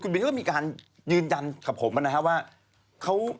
บินก็มีการยืนยันกับผมนะครับว่า